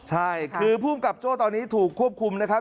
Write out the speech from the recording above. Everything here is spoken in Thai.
ใช่คือภูมิกับโจ้ตอนนี้ถูกควบคุมนะครับ